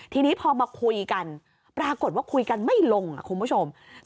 ทีนี้พอมาคุยกันปรากฏว่าคุยกันไม่ลงคุณผู้ชม